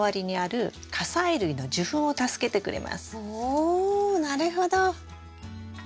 おなるほど。